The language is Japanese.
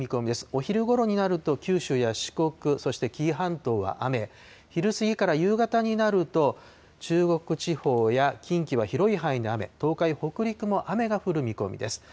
お昼ごろになると、九州や四国、そして紀伊半島は雨、昼過ぎから夕方になると、中国地方や近畿は広い範囲で雨、東海、北陸も雨が降る見込みです。